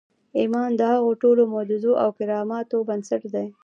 ايمان د هغو ټولو معجزو او کراماتو بنسټ دی.